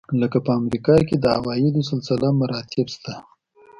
لکه په امریکا کې د عوایدو سلسله مراتب شته.